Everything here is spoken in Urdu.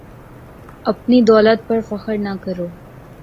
اپنی دولت پر فکر نہ کرو